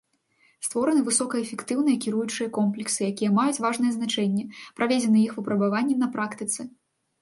Створаны высокаэфектыўныя кіруючыя комплексы, якія маюць важнае значэнне, праведзены іх выпрабаванні на практыцы.